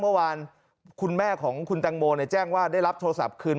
เมื่อวานคุณแม่ของคุณตังโมแจ้งว่าได้รับโทรศัพท์คืน